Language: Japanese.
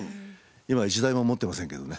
今一台も持ってませんけどね。